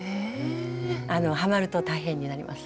はまると大変になります。